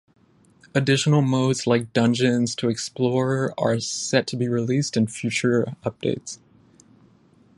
Additional modes like dungeons to explore are set to be released in future updates.